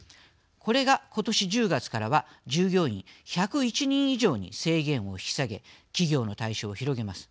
これが、ことし１０月からは従業員１０１人以上に制限を引き下げ企業の対象を広げます。